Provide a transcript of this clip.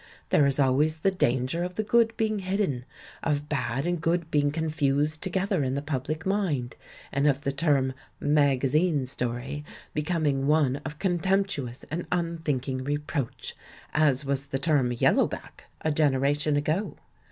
There is always the danger of the good being hidden, of bad and good being con fused together in the public mind, and of the term "magazine story" becoming one of con temptuous and unthinking reproach, as was the term "yellow back" a generation ago.